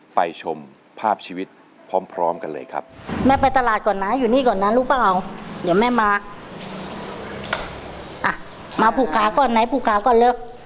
เดี๋ยวแม่มาอ่ะมาผูกค้าก่อนนะผูกค้าก่อนแล้ว